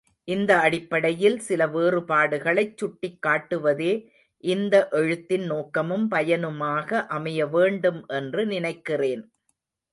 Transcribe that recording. இந்த அடிப்படையில் சில வேறுபாடுகளைச் சுட்டிக் காட்டுவதே இந்த எழுத்தின் நோக்கமும் பயனுமாக அமையவேண்டும் என்று நினைக்கிறேன்.